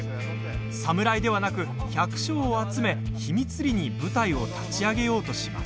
侍ではなく、百姓を集め秘密裏に部隊を立ち上げようとします。